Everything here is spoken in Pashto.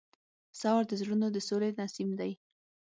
سهار د زړونو د سولې نسیم دی.